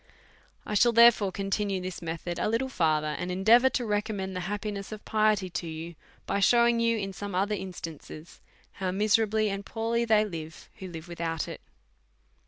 I shall, therefore, continue this method a little fur ther, and endeavour to recommend the happiness of piety to you, by shewing you, in some othei* instan ces, how miserably and poorly they live who live with out it.